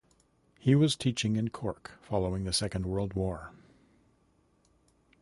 He was teaching in Cork following the Second World War.